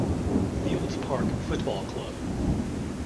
Fields Park Football Club.